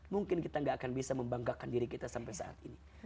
mungkin kita gak akan bisa membanggakan diri kita sampai saat ini